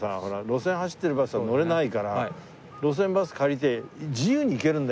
路線走ってるバスは乗れないから路線バス借りて自由に行けるんだよ色んな所へ。